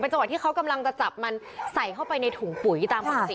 จังหวะที่เขากำลังจะจับมันใส่เข้าไปในถุงปุ๋ยตามปกติ